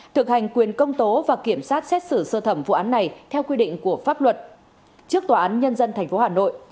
thực hành quyền công tố và kiểm sát xét xử sơ thẩm vụ án này theo quy định của pháp luật trước tòa án nhân dân tp hà nội